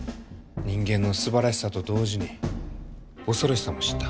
人間のすばらしさと同時に恐ろしさも知った。